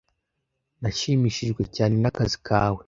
Nashimishijwe cyane nakazi kawe.